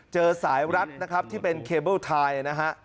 เจอสายรัดนะครับที่เป็นเคเบิ้ลไทยนะฮะ